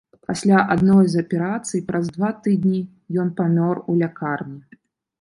Пасля адной з аперацый праз два тыдні ён памёр у лякарні.